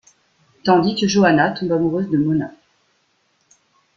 Tandis que Johanna tombe amoureuse de Mona.